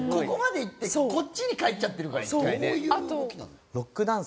ここまでいってこっちに返っちゃってるから１回ね。